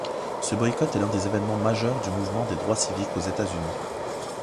Ce boycott est l'un des événements majeurs du mouvement des droits civiques aux États-Unis.